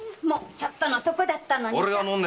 もうちょっとのとこだったのに。